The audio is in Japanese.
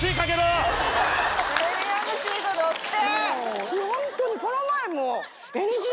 プレミアムシート乗って！